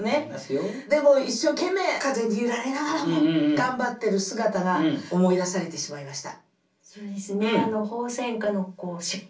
でも一生懸命風に揺られながらも頑張ってる姿が思い出されてしまいました。